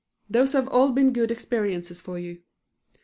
Those have all been good experience for you.